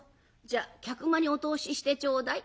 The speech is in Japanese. じゃあ客間にお通ししてちょうだい」。